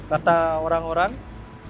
sangat ditakutkan ini luka yang dipinggangkan kota